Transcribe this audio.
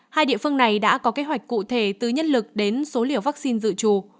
hai địa phương này đã có kế hoạch cụ thể từ nhân lực đến số liều vaccine dự trù